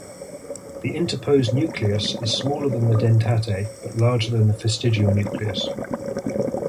The interposed nucleus is smaller than the dentate but larger than the fastigial nucleus.